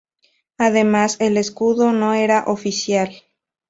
Además, el escudo no era oficial.